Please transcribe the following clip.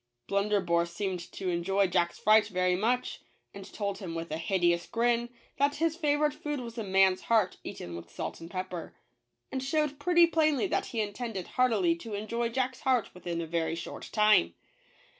Blunderbore seemed to enjoy Jack's fright very much ; and told him with a hideous grin that his favorite food was a man's heart eaten with salt and pepper; and showed pretty plainly that he intended heartily to enjoy Jack's heart within a very short time.